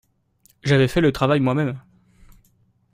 J’avais fait le travail moi-même.